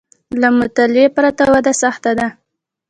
له مطالعې پرته وده سخته ده